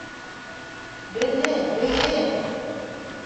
Белдем, белдем!